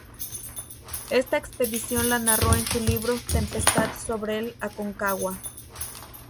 Esta expedición la narró en su libro ""Tempestad sobre el Aconcagua"".